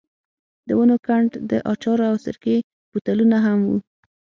د ونو کنډ، د اچارو او سرکې بوتلونه هم وو.